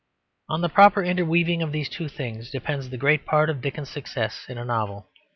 On the proper interweaving of these two things depends the great part of Dickens's success in a novel.